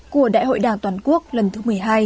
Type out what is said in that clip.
của đại hội đảng toàn quốc lần thứ một mươi hai